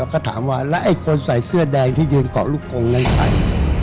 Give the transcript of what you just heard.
ก็ถามว่าแล้วไอ้คนใส่เสื้อแดงที่ยืนเกาะลูกกงนั้นใคร